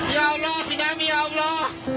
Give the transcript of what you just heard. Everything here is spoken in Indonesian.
ya allah tsunami ya allah